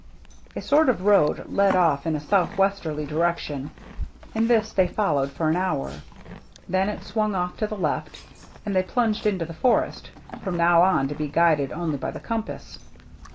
'* A sort of road led oflF in a southwesterly direction, and this they followed for an hour. Then it swung oflF to the left, and they THE GINGHAM DRESS 263 plunged into the forest, from now on to be guided only by the compass.